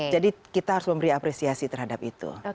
jadi kita harus memberi apresiasi terhadap itu